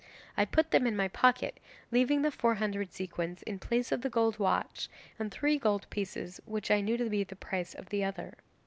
I put them in my pocket, leaving the four hundred sequins in place of the gold watch and three gold pieces which I knew to be the price of the other.